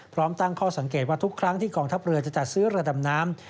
พร้อมตั้งข้อสังเกตว่าทุกครั้งที่กองทัพเรือจะจัดซื้อเรือดำน้ำ